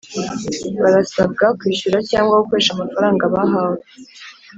Barasabwa kwishyura cyangwa gukoresha amafaranga bahawe